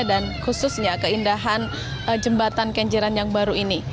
dan khususnya keindahan jembatan kenjaran yang baru ini